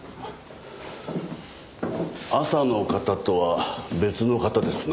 朝の方とは別の方ですな。